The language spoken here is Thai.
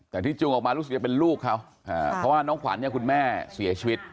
แต่ที่จูงออกมารู้สึกจะเป็นลูกเขาเพราะว่าน้องขวัญเนี่ยคุณแม่เสียชีวิต